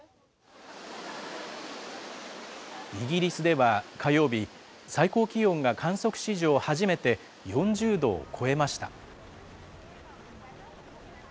イギリスでは火曜日、最高気温が観測史上初めて４０度を超えました。